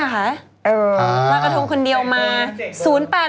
มาเกาะโทงคนเดียวมา